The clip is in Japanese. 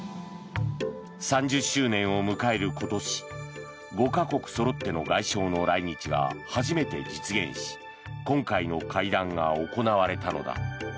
３０周年を迎える今年５か国そろっての外相の来日が初めて実現し今回の会談が行われたのだ。